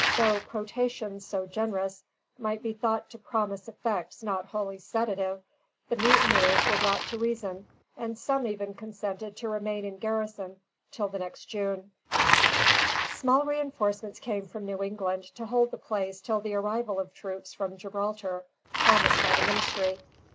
Though potations so generous might be thought to promise effects not wholly sedative, the mutineers were brought to reason, and some even consented to remain in garrison till the next June. [Footnote: Shirley to Newcastle, 4 Dec 1745.] Small reinforcements came from New England to hold the place till the arrival of troops from Gibraltar, promised by the ministry.